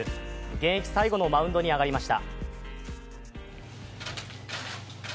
現役最後のマウンドに上がりました。